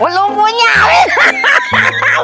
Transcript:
belum punya airnya amin